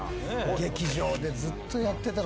劇場でずっとやってたの。